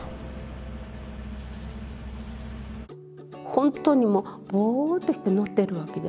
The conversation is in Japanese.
本当にもうボーッとして乗ってるわけじゃないんです。